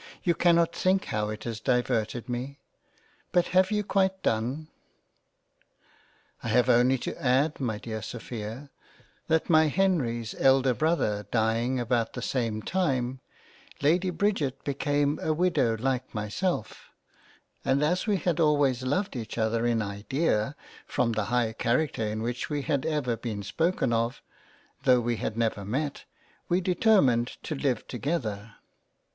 You cannot think how it has diverted me ! But have you quite done ?"" I have only to add my dear Sophia, that my Henry's 108 £ A COLLECTION OF LETTERS £ elder Brother dieing about the same time, Lady Bridget be came a Widow like myself, and as we had always loved each other in idea from the high Character in which we had ever been spoken of, though we had never met, we determined to live together.